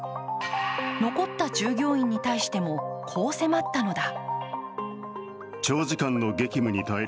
残った従業員に対してもこう迫ったのだ。